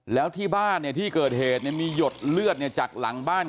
แล้วที่บ้านที่เกิดเหตุมีหยดเลือดจากหลังบ้าน